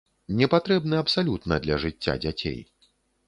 Непатрэбны абсалютна для жыцця дзяцей.